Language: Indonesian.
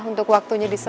untuk waktunya di sini